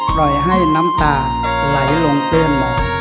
ปล่อยให้น้ำตาไหลลงเปื้อนมอง